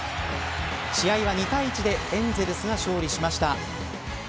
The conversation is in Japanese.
試合は２対１でエンゼルスが勝利しました。